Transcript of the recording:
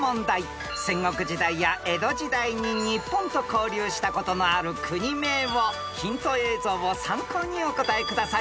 ［戦国時代や江戸時代に日本と交流したことのある国名をヒント映像を参考にお答えください］